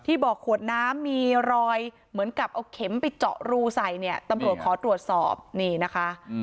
บอกขวดน้ำมีรอยเหมือนกับเอาเข็มไปเจาะรูใส่เนี่ยตำรวจขอตรวจสอบนี่นะคะ